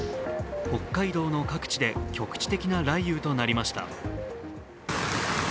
北海道の各地で局地的な雷雨となりました。